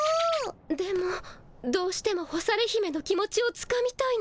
でもどうしても干され姫の気持ちをつかみたいの。